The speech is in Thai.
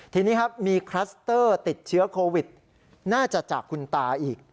ทีนี้ครับมีคลัสเตอร์ติดเชื้อโควิดน่าจะจากคุณตาอีก